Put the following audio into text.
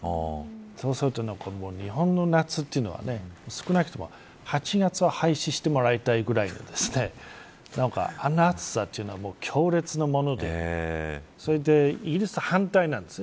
そうすると、日本の夏というのは少なくとも、８月は廃止してもらいたいぐらいのあの暑さというのは強烈なものでそれでイギリスは反対なんです。